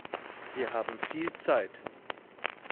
Wir haben viel Zeit.